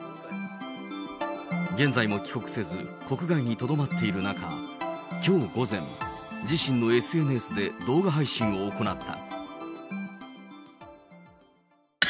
現在も帰国せず、国外にとどまっている中、きょう午前、自身のＳＮＳで動画配信を行った。